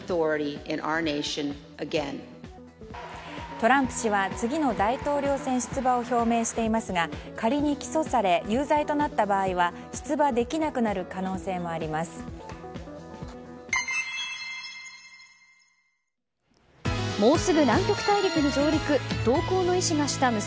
トランプ氏は、次の大統領選出馬を表明していますが仮に起訴され有罪となった場合は出馬できなくなる可能性もあります。